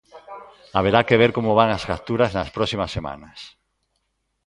Haberá que ver como van as capturas nas próximas semanas.